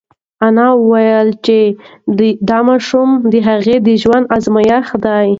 انا وویل چې دا ماشوم د هغې د ژوند ازمېښت دی.